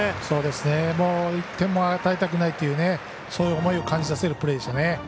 そういう思いを感じさせるプレーでしたね。